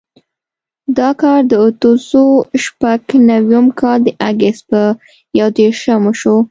دا کار د اتو سوو شپږ نوېم کال د اګست په یودېرشم وشو.